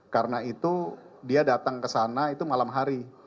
karena itu dia datang ke sana itu malam hari